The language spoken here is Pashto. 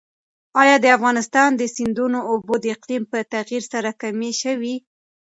ایا د افغانستان د سیندونو اوبه د اقلیم په تغیر سره کمې شوي؟